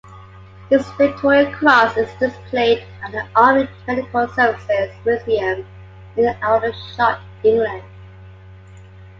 His Victoria Cross is displayed at the Army Medical Services Museum in Aldershot, England.